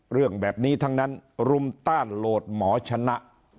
เรื่องแบบนี้ทั้งนั้นรุมต้านโหลดหมอชนะ